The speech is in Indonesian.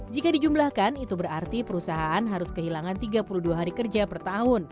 jika dijumlahkan itu berarti perusahaan harus kehilangan tiga puluh dua hari kerja per tahun